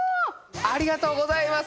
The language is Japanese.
ありがとうございます！